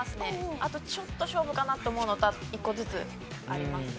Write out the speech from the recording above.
あとちょっと勝負かなと思うのとあと１個ずつありますね。